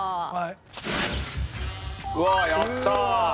うわあやった！